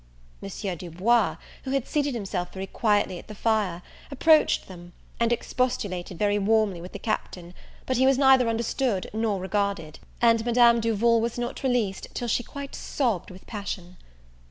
Monsieur Du Bois, who had seated himself very quietly at the fire, approached them, and expostulated very warmly with the Captain; but he was neither understood nor regarded; and Madame Duval was not released till she quite sobbed with passion.